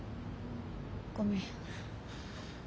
ごめん。